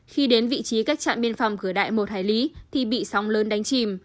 khi đến vị trí cách trạm biên phòng cửa đại một hải lý thì bị sóng lớn đánh chìm